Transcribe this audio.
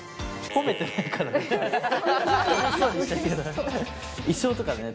褒めてないからね。